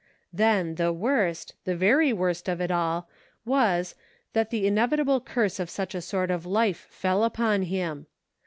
Then, the worst, the very worst of it all, was, that the inevitable curse of such a sort of life fell upon him.